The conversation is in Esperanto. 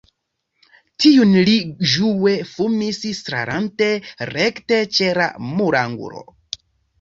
Tiun li ĝue fumis, starante rekte ĉe la murangulo.